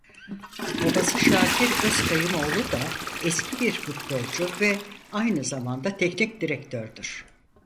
Babası Şakir Özkayımoğlu da eski bir futbolcu ve aynı zamanda teknik direktördür.